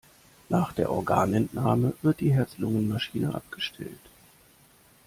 Nach der Organentnahme wird die Herz-Lungen-Maschine abgestellt.